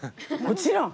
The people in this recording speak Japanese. もちろん。